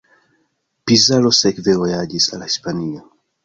Pizarro sekve vojaĝis al Hispanio.